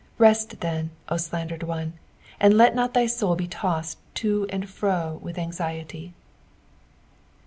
Rest then, O slandered one, end let not thy soul be tossed to and fro villi anxiety.